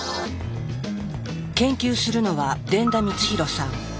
研究するのは傳田光洋さん。